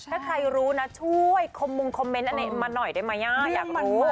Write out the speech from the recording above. ถ้าใครรู้นะช่วยคอมมุงคอมเมนต์อะไรมาหน่อยได้ไหมย่าอยากรู้